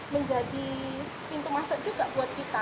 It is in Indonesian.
menjadi pintu masuk juga buat kita